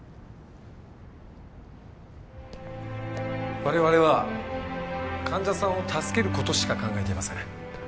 我々は患者さんを助ける事しか考えていません。